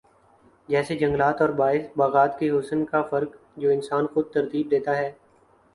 جیسے جنگلات اور باغات کے حسن کا فرق جو انسان خود ترتیب دیتا ہے